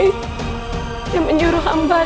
dia menyuruh hamba